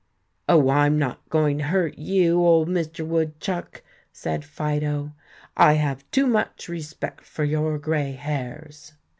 "Oh, I'm not going to hurt you, old Mr. Woodchuck," said Fido. "I have too much respect for your gray hairs."